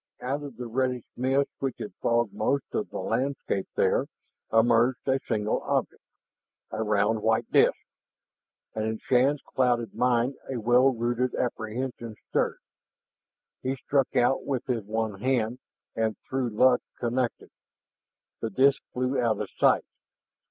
Out of the reddish mist which had fogged most of the landscape there emerged a single object, a round white disk. And in Shann's clouded mind a well rooted apprehension stirred. He struck out with his one hand, and through luck connected. The disk flew out of sight.